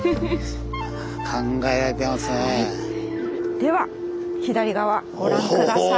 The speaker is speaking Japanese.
では左側ご覧下さい。